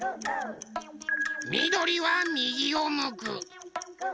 みどりはみぎをむく。